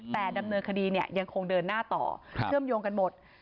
แต่ดำเนินคดีเนี่ยยังคงเดินหน้าต่อเชื่อมโยงกันหมด